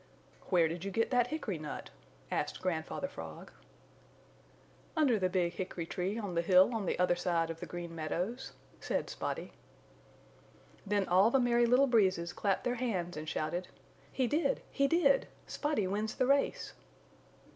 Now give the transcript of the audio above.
"Where did you get that hickory nut?" asked Grandfather Frog. "Under the big hickory tree on the hill on the other side of the Green Meadows," said Spotty. Then all the Merry Little Breezes clapped their hands and shouted: "He did! He did! Spotty wins the race!"